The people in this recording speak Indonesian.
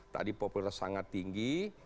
tadi populer sangat tinggi